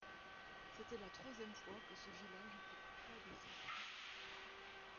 C'était la troisième fois que ce village était la proie des flammes.